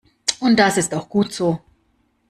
Und das ist auch gut so.